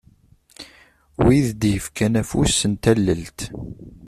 Wid i d-yefkan afus n tallelt.